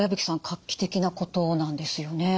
画期的なことなんですよね？